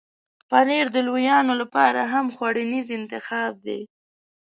پنېر د لویانو لپاره هم خوړنیز انتخاب دی.